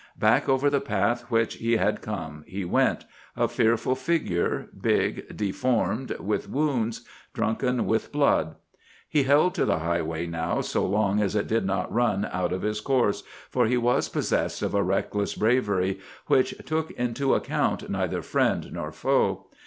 Back over the path which he had come he went—a fearful figure, big, deformed with wounds, drunken with blood. He held to the highway now so long as it did not run out of his course, for he was possessed of a reckless bravery which took into account neither friend nor foe.